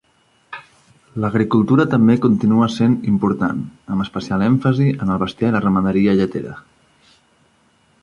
L'agricultura també continua sent important, amb especial èmfasi en el bestiar i la ramaderia lletera.